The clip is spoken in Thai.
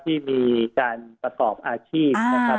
ที่มีการประกอบอาชีพนะครับ